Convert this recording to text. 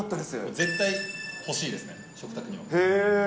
絶対、欲しいですね、食卓にへー。